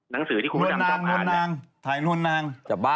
นังสือที่คุณจำกับ